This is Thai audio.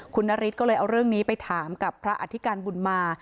คุณนฤทธิ์ก็เลยเอาเรื่องนี้ไปถามกับพระอธิการบุญมา